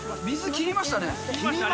切りましたね。